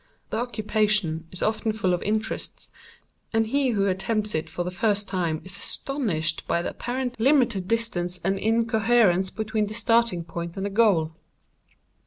The occupation is often full of interest; and he who attempts it for the first time is astonished by the apparently illimitable distance and incoherence between the starting point and the goal.